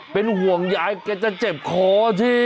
เป็นห่วงยายจะแจบคออ่ะทิ